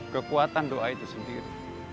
kekuatan doa itu sendiri